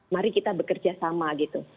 mari kita bekerja sama gitu